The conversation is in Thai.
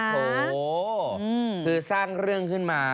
โถคือสร้างเรื่องขึ้นมา